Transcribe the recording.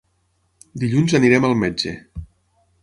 Dilluns anirem al metge.